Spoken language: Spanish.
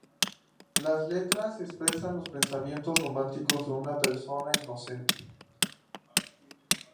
Las letras expresan los pensamientos románticos de una persona inocente.